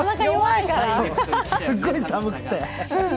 すっごい寒くて。